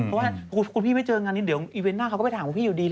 เพราะว่าคุณพี่ไม่เจองานนี้เดี๋ยวอีเวนต์หน้าเขาก็ไปถามว่าพี่อยู่ดี